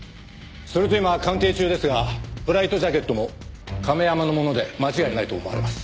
それと今鑑定中ですがフライトジャケットも亀山のもので間違いないと思われます。